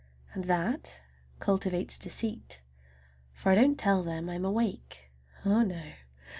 And that cultivates deceit, for I don't tell them I'm awake,—oh, no!